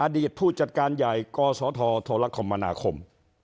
อดีตผู้จัดการใหญ่กศโทรโทรคมนาคม